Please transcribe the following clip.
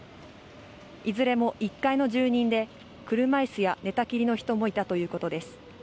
いずれも１階の住人で、車椅子や寝たきりの人もいたということです。